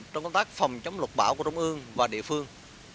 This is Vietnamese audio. trong công tác phòng chống lục bão của trung ương và địa phương